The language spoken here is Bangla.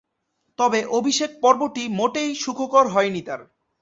তবে, অভিষেক পর্বটি মোটেই সুখকর হয়নি তার।